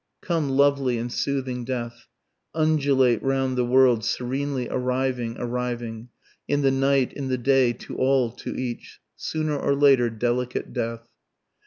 _Come lovely and soothing death, Undulate round the world, serenely arriving, arriving, In the night, in the day, to all, to each, Sooner or later delicate death.